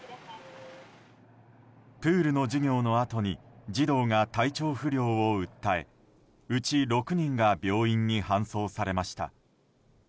プールの授業のあとに児童が体調不良を訴えうち６人が病院に搬送されました。